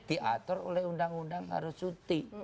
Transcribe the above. diatur oleh undang undang harus cuti